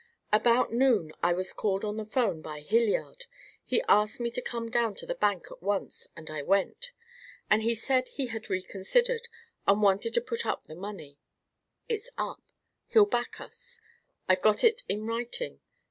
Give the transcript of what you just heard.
"About noon I was called on the 'phone by Hilliard. He asked me to come down to the bank at once, and I went. He said he had reconsidered, and wanted to put up the money. It's up. He'll back us. I've got it in writing.